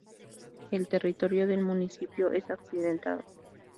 El territorio del municipio es accidentado.